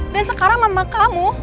dan sekarang mama kamu